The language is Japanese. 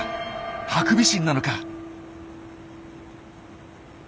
ハクビシンなのか？